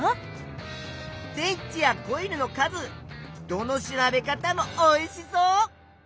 電池やコイルの数どの調べ方もおいしそう！